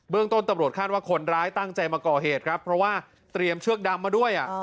เรื่องต้นตำรวจคาดว่าคนร้ายตั้งใจมาก่อเหตุครับเพราะว่าเตรียมเชือกดำมาด้วย